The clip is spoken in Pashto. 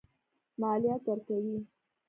مالیات ورکوي.